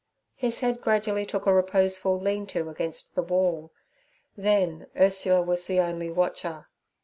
His head gradually took a reposeful lean to against the wall, then Ursula was the only watcher.